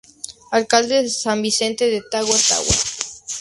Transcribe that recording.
Alcalde de San Vicente de Tagua Tagua.